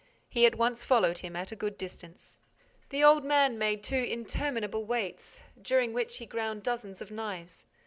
He at once followed him at a good distance. The old man made two interminable waits, during which he ground dozens of knives.